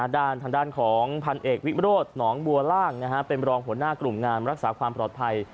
ด้านทางด้านของพันเอกวิโรธหนองบัวล่างเป็นรองหัวหน้ากลุ่มงานรักษาความปลอดภัย